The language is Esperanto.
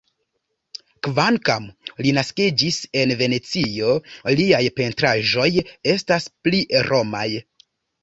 Kvankam li naskiĝis en Venecio, liaj pentraĵoj estas pli romaj.